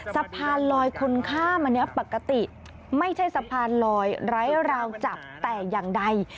สะพานลอยคนข้ามอันนี้ปกติไม่ใช่สะพานลอยไร้ราวจับแต่อย่างใด